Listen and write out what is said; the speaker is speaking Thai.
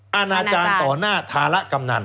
แล้วเขาก็ใช้วิธีการเหมือนกับในการ์ตูน